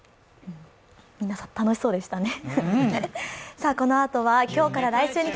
皆さん楽しそうでしたね。